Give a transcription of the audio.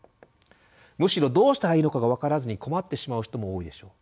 むしろどうしたらいいのかが分からずに困ってしまう人も多いでしょう。